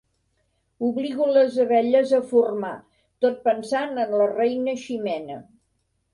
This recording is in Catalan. Obligo les abelles a formar, tot pensant en la reina Ximena.